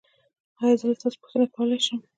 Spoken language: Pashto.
ایا زه له تاسو پوښتنه کولی شم؟